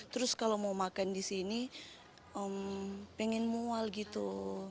terus kalau mau makan di sini pengen mual gitu